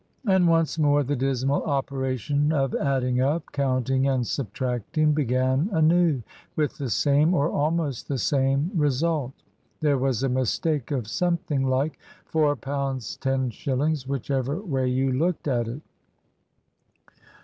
And once more the dismal operation of adding up, counting, and subtracting began anew, with the same, or almost the same, result there was a mistake of something like £4 10 shillings, whichever way you looked at it.